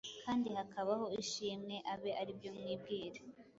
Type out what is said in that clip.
kandi hakabaho ishimwe, abe ari byo mwibwira.